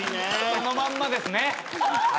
そのまんまですね。